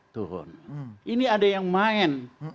turun ini ada yang main